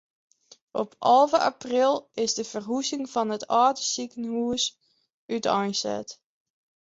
Op alve april is de ferhuzing fan it âlde sikehûs úteinset.